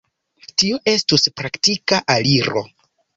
Tio estus praktika aliro.